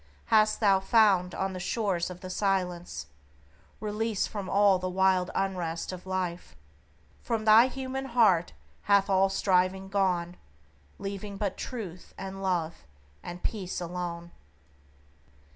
Hast thou found on the Shores of the Silence, Release from all the wild unrest of life? From thy human heart hath all striving gone, Leaving but Truth, and Love, and Peace alone?